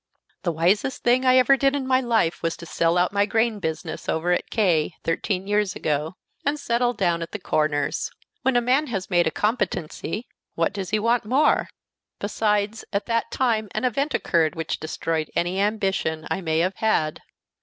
The wisest thing I ever did in my life was to sell out my grain business over at K , thirteen years ago, and settle down at the Corners. When a man has made a competency, what does he want more? Besides, at that time an event occurred which destroyed any ambition I may have had.